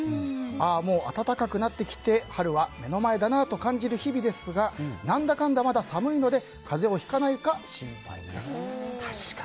ああ、もう暖かくなってきて春は目の前だなと感じる日々ですが何だかんだ、まだ寒いので風邪をひかないか心配です。